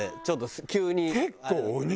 ちょっと急に。